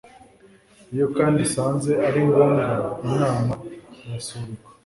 iyo kandi isanze ari ngombwa inama irasubikwa